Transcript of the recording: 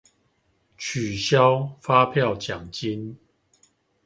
取消發票獎金